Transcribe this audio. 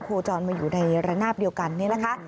โคจรมาอยู่ในระนาบเดียวกันนี่นะคะ